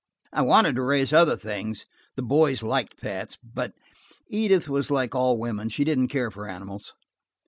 I wanted to raise other things–the boys liked pets–but Edith was like all women, she didn't care for animals.